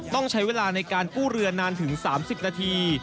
ต้องใช้เวลาในการกู้เรือนานถึง๓๐นาที